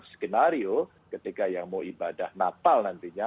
skenario ketika yang mau ibadah natal nantinya